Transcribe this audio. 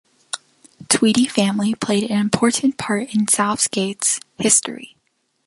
Tweedy family played an important part in South Gate's history.